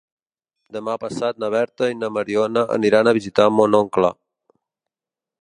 Demà passat na Berta i na Mariona aniran a visitar mon oncle.